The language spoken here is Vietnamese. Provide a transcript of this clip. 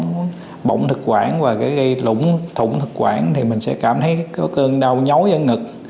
nếu mà nó bỏng thực quản và gây lũng thủng thực quản thì mình sẽ cảm thấy có cơn đau nhói ở ngực